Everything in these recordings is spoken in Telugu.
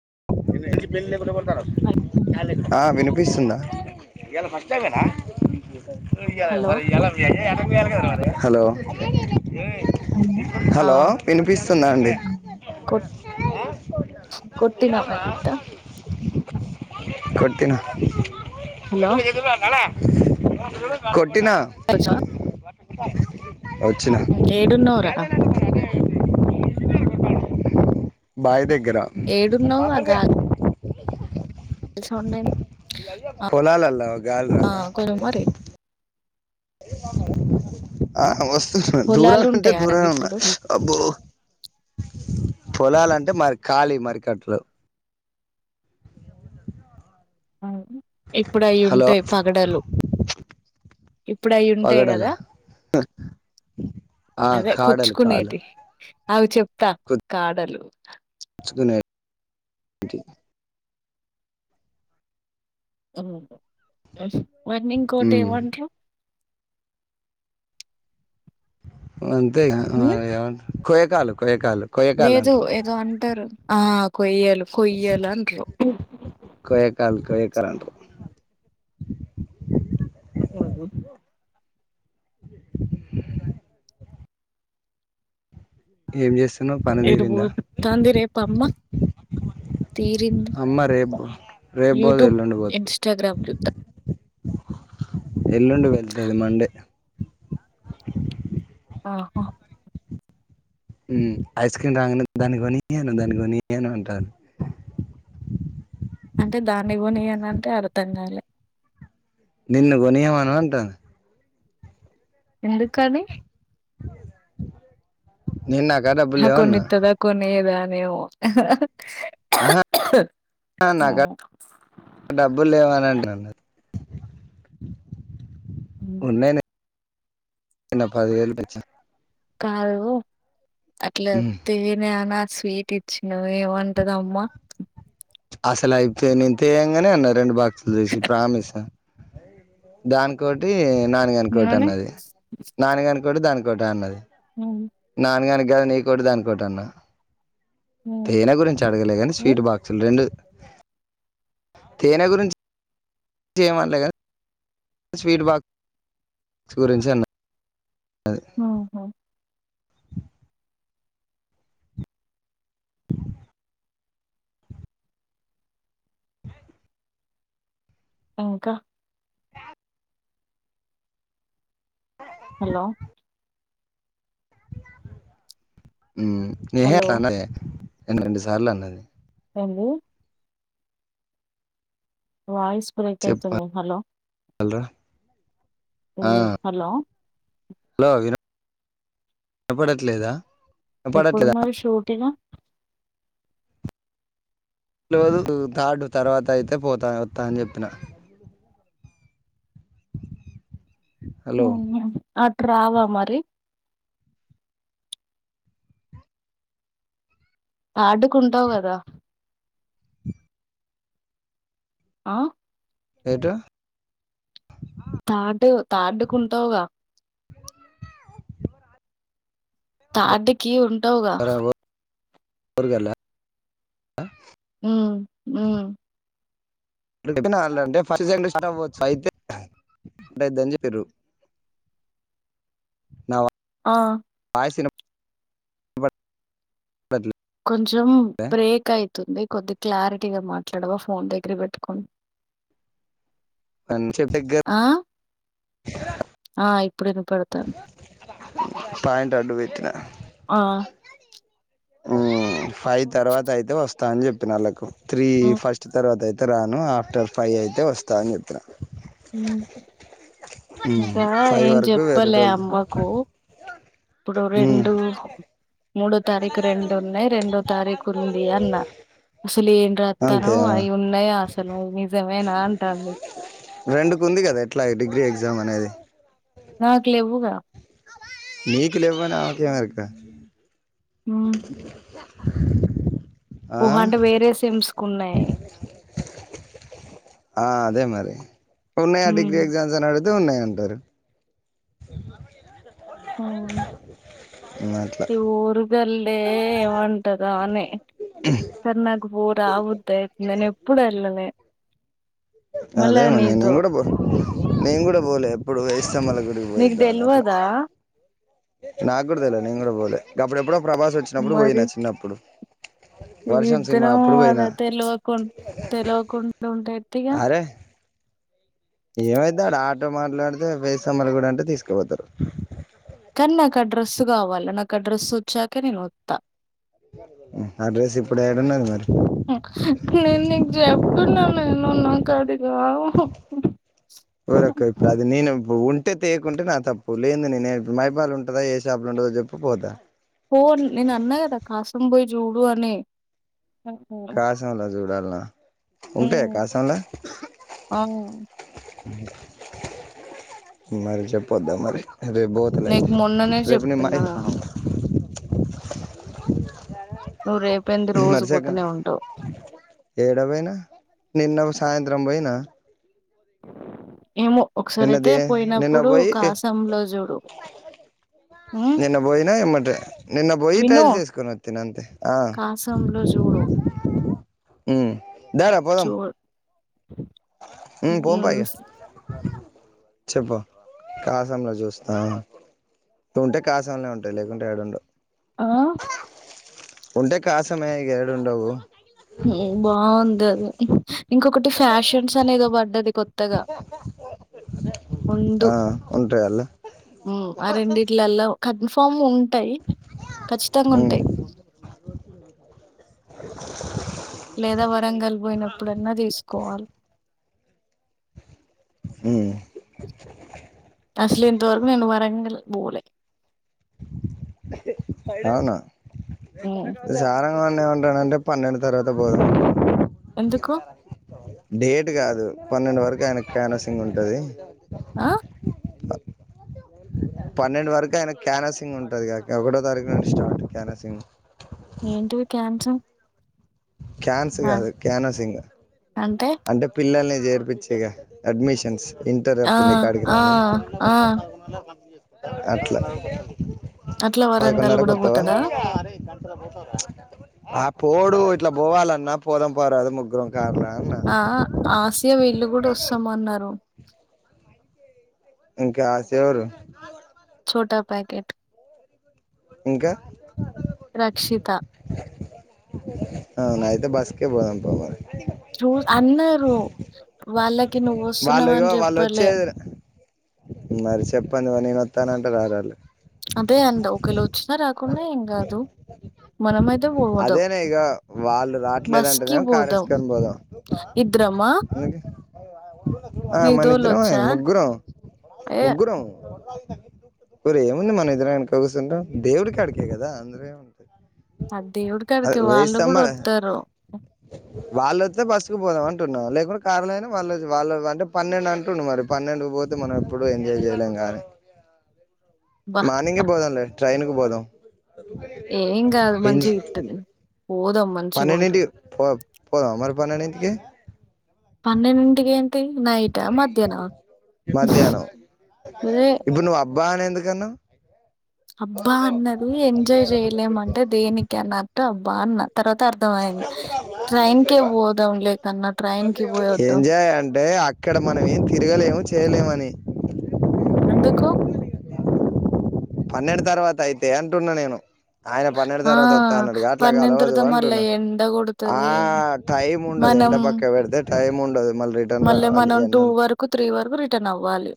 [inaudible] [inaudible] హల్ ఆ వినిపిస్తుందా హలో [unintelligible] హలో ఆ హాలో విన్పిస్ స్తుందండి కొట్ చ్ కొట్ తినవా ఇట్టా కొట్టిన అజతు నాలా కొ ట్టినా వచ్చిన ఏడున్నవ్ రా బాయిదగ గ్గర ఏడున్నవ్ తెసు ఉండి పొలాలల గల్ద కొంచెం మరి ఆ వస్త దూర పొలాలు అంటే ఉంటాయారా దూర ఉన్నా గిప్పుడు అబ్బో పొలలు అంటే మరి ఖాళీ మరికట్లు ఇప్పుడు అవి హలో ఉంటాయి పగడలు ఇప్పుడు అయి ఉంటాయి పగడల కదా ఆ అదే కాడలు కాడలు కుచ్చుకునేది ఆవు చెప్తా కాడలు తెచ్చుకునే అఓ వర్నింగ్ కోట్ ఉమ్ ఏవంట అ అంత ఉమ్ ఎవ ోే కాలు లేదు ఏదో అంటారు ఆ కొయ్యలు కొయ్యలంట కొయ్యకాలు కొయ్యకాలు అంటారు అదు ఏం చేస్త ఇదిబోద్ తందర అప్ప అమ్మా అమ్మా రేపు రేపు బోదు యూట్యూబ్ ఎల్లుంండపోతు ఇన్స్టాగ్రామ్ చూత్త ఎల్లుండి వెళ్తుంది మండే ఆహో ఐస్ క్రీమ్ రాగా దాని కొనియను దాని కొనియను అంటారు అంటే దాన్ని గుని అని అంటే అర్థంగాాలి నిన్నుగోనియమాను అంటాన ఎందుకని నేను నా కాడ డబ్బులు ఆ కొన్ని లేవన్నా ఇత్తదా కొనేయదా ఏమో ఆ నాకు అవును. డబ్బులు లేవని అంటానా హ్మ్. ఉన్నాయిలే నిన్న పదివేలు తెచ్చా కారు అట్ల మ్మ్ తెనె అన స్వీట్ ఇచ్చిన ఏమంటదమ్మా అసలయితే నేను తేంగానే అన్నా రెండు బా సదేశి ప్రామిసా దానికోటి ఏమని? నానిగానికోటన్నది నానిగానికోటి దానికో గోట అన్నది హ్మ్. నాని గాని గది నీకోటి దానికోటి అన్న హ్మ్. తేనె గురించి అడగలే కాని హ్మ్. స్వీట్ బాక్సులు రెండు తేనె గురించ్ తేమన్ లే గా స్వీట్ బాక్స్ గురించి అన్న అది హుహు. ఇంకా హలో! హామ్ ఏహే హలో! అట్లనకే ఎన్ని రెండు సార్లు అన్నది రంగు వాయిస్ బ్రేక్ అయితుంది హలో అల్రా [unintelligible] హలో హలో విన వినపడట్లేదా ఎప్పుడు వినపడట్లేదా? మరి షూటింగ్ రోజు తార్డ్ తర్వాతయితే పోతా వత్తా అని చెప్పిన హలో అట్రావా మరి తార్డు కుంటావు కదా ఆ ఎటు తార్డు తార్డుకుంటావుగా వర తార్డ్ కి ఉంటావుగా [unintelligible] మ్ మ్ [unintelligible] ఆ [unintelligible] వినపడట్లేదా? కొంచెం బ్రేక్ అయితుంది కొద్ది క్లారిటీగా మాట్లాడవా ఫోన్ దగ్గర పెట్టుకని అని చెప్పి దగ్గర ఆ ఆ ఎప్పుడను పడుతను పయంటడువటిన ఆ! ఆ ఫైవ్ తర్వాత అయితే వస్తుంది స్తా అని చెప్పినళ్ళలకు త్రీ హ్మ్. ఫస్ట్ తర్వాత అయితే చెతురాను ఆఫ్టర్ ఫైవ్ అయితే వస్తాని చెతున్నాను ఇంకా ఫైవ్ ఏం వరకు చెప్పాలి వేరేటోళ్ళు అమ్మకు ఇప్పుడు రెండు మూడో తారీఖు రెండు ఉన్నాయి రెండో తార కురుబడియాన్నా అసలు ఏం రాస్తారో అంతే అవి ఉన్నాయి అసలు నిజమేనా అంటాంది నిజం అనేది నాకు లేవుగా మీకు లివ్వనీ ఆమెకెమెరుక ఆ ఊహ అంటే వేరే సిమ్స్ కు ఉన్నాయి ఆ అదే మరి ఉన్న హ్మ్. Degree exams. అడు అదే ఉన్నాయింటారు హ్మ్. [inaudible] మట్ ద లేే ఉంట [inaudible] ద అనే చన్నగ్ ఊర్ ఆవుద్యి ఇక్కడ ఉన్న పదాల వేరు వచ్చిన ట్రాన్స్క్రిప్షన్ ఆడియో వేరే విధంగా ఉంది. ఇని ఎప్పుడ అళనే అదే మన్న నీ కూడా పో నీ కూడా పోలే పడువై చెమల గుడికి నీకు పోయేద్దామని అట్లా తెల్వదా నాకుడదలే ని కూడా పోలే అప్పుడు ఎప్పుడ ప్రభాసు వచ్చినప్పుడు పోయిన చిన్నప్పుడు. ఇ వర్షం సినిమా ఇద్దరం అప్పుడు అద పోయినా తెల్వకుం తెల్వకుం ఎంట ఉంట ఎత్తిగా ఏమైతాడు ఆటో మాట్లాడితే వే సమ్మలు గూడ అంటే తీసుకుపోతారు కానీ నాకు ఆ డ్రస్సు కావాలి నాకు ఆ డ్రస్ వచ్చాకే నేను వత్తా అడ్రస్ ఇప్పుడు ఏడున్నది మరి ఇన్నన్న ఎన్నన్నా నాకదిగా ఓరక్కా ఇప్పుడు అది నేను ఉంటే తేకుంటే నా తప్పు లేనిది నేను ఏ మైపాలు ఉంటదా ఏ షాపులో ఉంటదో చెప్పు పోతా జూడు అని కా స ఉాల జూడాల ఉంటాయా కాసంలా ఆ మరి చెప్పద్దా మరి రేపు బోతలే నీకు ఐతే మొన్ననే రేపుని మయ్ చెప్పిన నువ్వు రేపేంది రోజు మరిసక పోతూనే ఉంటావు ఏడ పోయినా నిన్న సాయంత్రం పోయినా ఏమో ఒకసారి అయితే నిన్నది నిన్న పోయినప్పుడు పోయి కాసంలో చూడు ఉమ్ నిన్న పోయిన ఏమ్మటే నిన్న పోయి విను ట్రైల్ చేసుకొని వచ్చన అంతే ఆ కాసంలో చూడు హ దారా పోదం చూ [unintelligible] చెప్పు కాసంలో చూస్తా ఉంటే కాసంనే ఉంటయి లేకుంటే ఏడుండవు ఆ ఉంటే కాసమే ఇక ఏడ ఉండవు ఉహు బావుంది ఇంకొకటి ఫ్యాషన్స్ అనేదో పడ్డది కొత్తగా ఉండు ఆ ఉంటాయి అల్ల ఊ ఆ రెండిట్లల్లో కన్ఫర్మ్ ఉ ఉంటాయి ఖచ్చితంగా ఉమ్ ఉంటయి లేదా వరంగల్ పోయినప్పుడన్నా తీసుకోవాలి హ అసలు ఇంతవరకు నేను వరంగల్ పబోలే ఆనా ఉమ్ ఈసార అనే ఉంటానంటడి పన్నెండు తర్వాత పోదు ఎందుకు డేట్ కాదు పన్నెండు వరకు ఆయనకు కనసింగ్ ఉంటుది ఆ పన్నెండు వరకు ఆయన క్యానాసింగ్ ఉంటది కాక ఒకటో తారీఖు నను స్టార్ట్ క్యానాసింగ్ చవ్ క్యాన్స్ కాదు క్యానసింగ్ అంటే పిల్లల్లే చేర్పించేగా అడ్మిషన్స్ ఇంటర్ ఆ అప్పుడు నీ కాడికి ఆ రాలే ఆ అట్లా అట్లా పైకన వరంగల్ ర గూడా కొత్తవా పోతడా? ఆ పోడు ఇట్లా పోవాలన్నా పోదం పోరాదు ముగ్గురం కారలా అన్న ఆ ఆసియా వీళ్లు కూడా వస్తామ అన్నారు ఇంకా ఆసవరు చోటా ప్యాకట్ ఇంకా రక్షిథ అవునా అయితే బస్క బా పో మరి చూడే అన్నారు వాళ్ళకి నువ్వు వాళ్ళు వస్తున్నావ అని ఇగో వాళ్ళు చెప్పలే వచ్చేది మరి చెప్పండిమ నేను వస్తానంటే రారాలి అదే అండి ఒకవేళ వచ్చినా రాకుండా ఏం కాదు మనమయితే అదేనా ఇక వాళ్ళు బస్‌కి రాట్లేదంటేనే పోదాం. కారేసుకని పోదాం ఇద్దరమా ఎందుకే ఆ నీకు మనం ఇద్దరమే తోలొచ్చా? ముగ్గురం ఏ ముగ్గురం ఊరుే ఏముంది మనద్ర వెనకిస్తుంట దేవుడికి అడికే కదా అంద్రే ఏమే ఆ దేవుడు కాడికి వాళ్లు కూడా వస్తారు వాళ్ళ వస్తే బస్సు పోదాం అంటున్నా లేకుంటడా కార్లో అయినా వాళ్ళు వాళ్ళు అంటే పన్నెండు అంటుండు మరి పన్నెండుకు పోతే మనం ఎప్పుడు ఎంజాయ్ చేయలేం గానీ అబ్బా! మానింగే అబ్బా! పోదంలే ట్రైయిన్కు పోదాం ఏం కాదు మంచిగా ఇట్ంది పోదం పన్నెండంటి పో పోద మ పన్నెన్డి కి ప్ నేను డు ఇంటికి ఎ మిడ్ నైట్ మధ్యాహ్నమ వారే బానే ఎందుకన్నా అబ్బా అన్నాడు, ఎంజాయ్ చేయలేము అంట దేనికి అన్నట్ట పాన్న తర్వాత అర్థమైంది ట్రైన్ కిపోదాం అన్న ట్రైన్ కి పోయేదం ఇక్కడ మనం ఏం తిరగలేము చేయలేమని ఎందుకు పన్నెండు తర్వాత అయితే అంటున్నా నేను ఆయన పన్నెండు ఆ తర్వాత వస్తా అన్నాడుగా అట్లా పన్న కలవదు త్రతా మళ్ళీ అంటున్నా ఎండ ఆ కొడుతది టైం ఉండదు మనం ఎండ పక్క పెడితే టైం ఉండదు మళ్ళీ రిటర్న్ మళ్ళ రావాలి మనం ఇవన్నీ టూ ఉంటాయి వరకు త్రీ వరకు రిటర్న్ అవ్వాలి.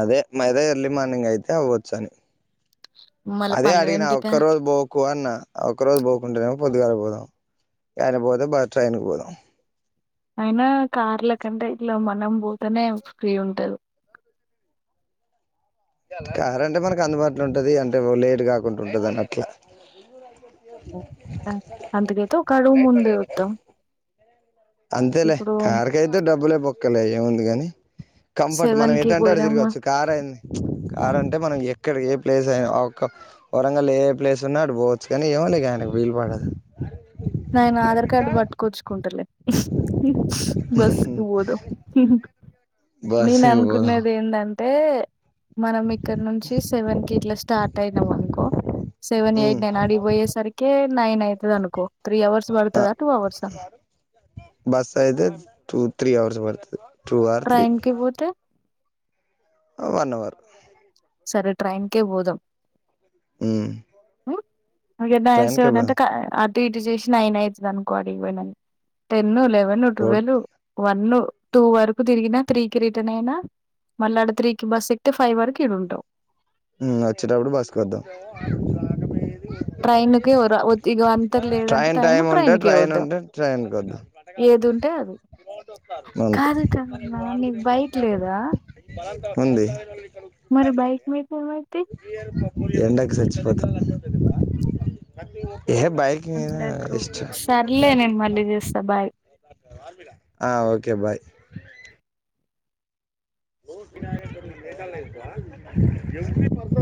అదే మరీ ఎర్లీ మార్నింగ్ అయితే అవ్వచ్చని మళ్ళా అదే అడిగిన ఆఒక్క రోజు బోకు అన్నా ఆ ఒక్క రోజు బోకుంట్రవ పొద్దుగాల పోదాం ఆయన పోతే బా ట్రైన్ కు పోదాం అయినా కార్ల కంటే ఇట్లా మనం పోతనే ఫ్రీ ఉంటది కార్ అంటే మనకు అందుబాటులో ఉంటది అంటే లేటు కాకుంటా ఉంటదని అట్లా. అ అఅందుకైతే ఒక రూమ్ ఉంది వద్దాం అంతేలే ఇప్పుడు కార్కి అయితే డబ్బులే బొక్కలే అంతేలే కారు కైతే డబ్బులు బొక్కలే అంతేలే కారు కైతే డబ్బులె బొక్కలే ఏముంది కాని కంఫర్ట్ మనం ఏంటంటే అ పోయినామా తిరగవచ్చు కార్ చ్అయింది కార్ అంటే మనం ఎ ఇక్కడ ఏ ప్లేస్ అయిన ఆ ఒక వరంగల్ ఏ ప్లేస్ ఉన్నా అటు పోవచ్చు గాని ఏమండి. ఆయనకు వీలు పడదు నైనా ఆధార్ కార్డ్ పట్టుకొచ్చుకుంటలే హుహుమ్ చ్ బస్కు పోదాం హుహుమ్ ఓక [inaudible] నేను బస్సుకి పోదాం అనుకునేది ఏందన్ ఏ ట్ మనం ఇక్కడ నుంచి సెవెన్ కి ఇట్లా స్టార్ట్ అయినాం అనుకో సెవెన్ ఉమ్ ఎయిట్ నైన్ ఆడికిపోయేసరికే నైనయితే అనుకో త్రీ అవర్స్ ఆ పడుతదా టూ అవర్స్అ బస్ అయితే టూ త్రీ అవర్స్ బడుతది చ్ టూ ఆర్ త్రీ పోతే ఆ వన్ అవర్ సరే ట్రైన్ కే పోదాం హుమ్ హ ఎ సేవన్ ఉన్నాంట ఇటు చేసి నైన్ అవుతుంది అనుకో అడిగిపోయినని టెన్ లెవిన్ టు రోడ్ వెెలు వన్ టూ వరకు తిరిగిన త్రీ కి రిటర్న్ అయినా మళ్ళీ ఆడ త్రీకిి బస్ ఎక్తే ఫైవ్ వరకు. ఇడ ఉంటావ్ వచ్చేటప్పుడు బస్కధామ్ ట్రైన్క ఇ అంతకు లేదంటే ట్రైన్ టైం ఉంటే ట్రైన్క ట్రైన్ వద్దాం ఉంటే ట్రైన్కి వద్దాం ఏది ఉంటే అది. అంతే కాదు కాదన్నా నీకు బైక్ లేదా ఉంది మరి బైక్ మీద పోదాం ఆయితే ఎండకి సచ్చిపోత సర్లే నేను మళ్ళీ చేస్తా బై ఆ ఓకె బాయ్ లో నా మేఘాలయం ఎవ్రీ పర్సన్